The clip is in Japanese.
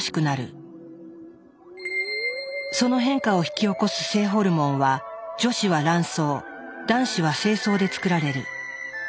その変化を引き起こす性ホルモンは女子は卵巣男子は精巣でつくられる。